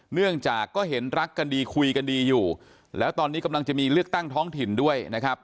เนื่องจากก็เห็นรักกันดีคุยกันดีอยู่แล้วตอนนี้กำลังจะมีเลือกตั้งท้องถิ่นด้วยนะครับ